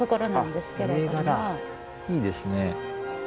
いいですね。